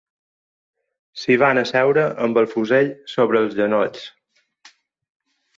S'hi van asseure amb el fusell sobre els genolls